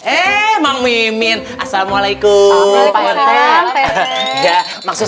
emang mimin assalamualaikum pak rt ya maksudnya